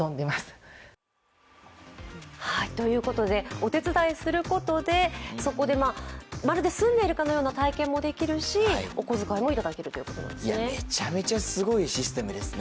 お手伝いすることでそこでまるで住んでいるかのような体験もできるしお小遣いもいただけるということなんですね。